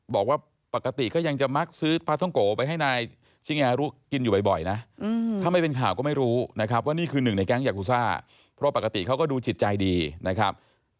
บอกว่าปกติก็ยังจะมักซื้อฟัสต้องโโฟไปให้นาย